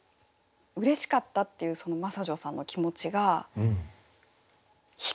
うれしかったっていうその真砂女さんの気持ちが光。